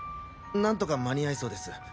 なんとか間に合いそうです。